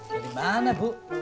dari mana bu